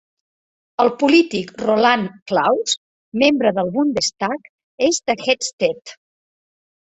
El polític Roland Claus, membre del Bundestag, és de Hettstedt.